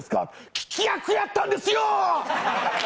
聞き役やったんですよ！